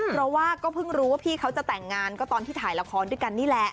เพราะว่าก็เพิ่งรู้ว่าพี่เขาจะแต่งงานก็ตอนที่ถ่ายละครด้วยกันนี่แหละ